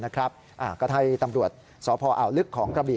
ก็ให้ตำรวจสพอ่าวลึกของกระบี่